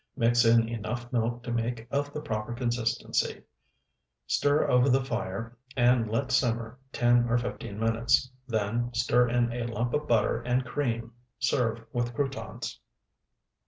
Mix in enough milk to make of the proper consistency; stir over the fire and let simmer ten or fifteen minutes; then stir in a lump of butter and cream; serve with croutons.